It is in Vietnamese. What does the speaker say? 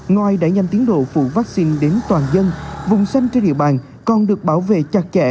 ngoài đẩy nhanh tiến độ phủ vaccine đến toàn dân vùng xanh trên địa bàn còn được bảo vệ chặt chẽ